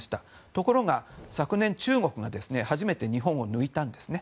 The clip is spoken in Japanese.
ところが昨年、中国が初めて日本を抜いたんですね。